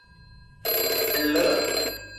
เบรลเลอร์